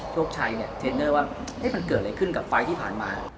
โชคชัยเนี่ยเทรนเนอร์ว่ามันเกิดอะไรขึ้นกับไฟล์ที่ผ่านมา